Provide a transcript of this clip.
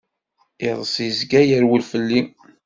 Iḍeṣ izga yerwel fell-i.